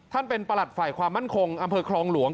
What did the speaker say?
ประหลัดฝ่ายความมั่นคงอำเภอคลองหลวง